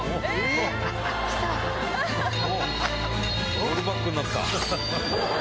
オールバックになった。